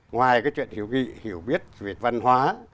ngoài cái chuyện hiểu biết về văn hóa